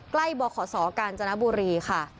ใกล้บขกาญจนบุรีค่ะ